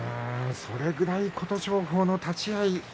それくらい琴勝峰の立ち合い